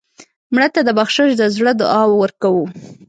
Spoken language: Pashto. مړه ته د بخشش د زړه دعا ورکوو